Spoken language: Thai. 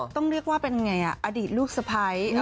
ต้องเรียกว่าเป็นไงอดีตลูกสะพ้าย